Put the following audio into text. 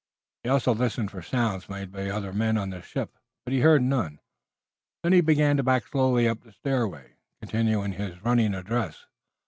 He also listened for sounds made by other men on the ship, but heard none. Then he began to back slowly up the stairway, continuing his running address.